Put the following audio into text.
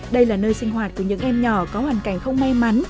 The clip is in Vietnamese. đây là nơi sinh hoạt của những em nhỏ có hoàn cảnh không may mắn